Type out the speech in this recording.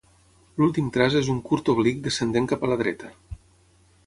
L'últim traç és un curt oblic descendent cap a la dreta.